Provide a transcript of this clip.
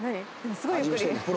すごいゆっくり。